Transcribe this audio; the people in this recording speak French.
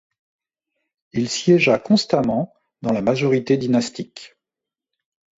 Il siégea constamment dans la majorité dynastique.